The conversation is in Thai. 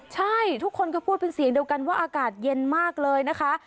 ใช่ทุกคนก็พูดเป็นเสียงเดียวกันว่าอากาศเย็นมากเลยนะคะ